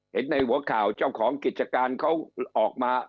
เห็นในหัวข่าวเจ้าของกิจการเขาออกมา